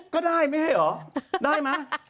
ก็ได้มั้ยหรอได้มั้ย